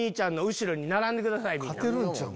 勝てるんちゃう？